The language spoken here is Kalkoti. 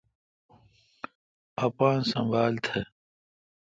اپان سنبھال تھ۔